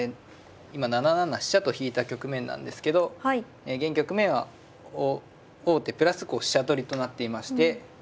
今７七飛車と引いた局面なんですけど現局面は王手プラス飛車取りとなっていましてまあ